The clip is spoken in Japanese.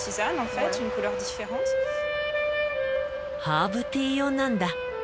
ハーブティー用なんだ。